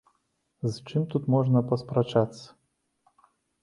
З чым тут можна паспрачацца?